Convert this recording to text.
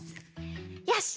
よし！